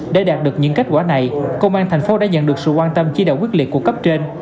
để đạt được những kết quả này công an thành phố đã nhận được sự quan tâm chỉ đạo quyết liệt của cấp trên